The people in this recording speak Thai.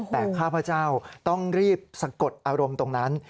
แต่ข้าพเจ้าต้องรีบสะกดอารมณ์ตรงนั้น